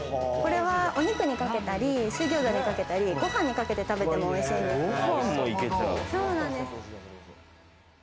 これはお肉にかけたり、水餃子にかけたり、ご飯にかけて食べてもおいしいです。